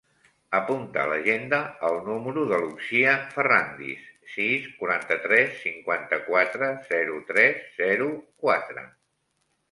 Apunta a l'agenda el número de l'Uxia Ferrandis: sis, quaranta-tres, cinquanta-quatre, zero, tres, zero, quatre.